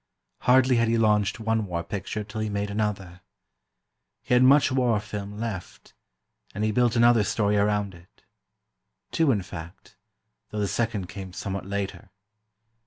Hardly had he launched one war picture till he made another. He had much war film left, and he built another story around it. Two, in fact, though the second came somewhat later.